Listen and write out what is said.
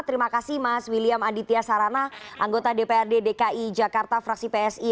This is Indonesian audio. terima kasih mas william aditya sarana anggota dprd dki jakarta fraksi psi